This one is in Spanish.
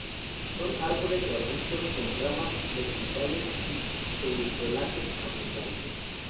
Son árboles o arbustos con ramas verticiladas y pseudo-látex abundante.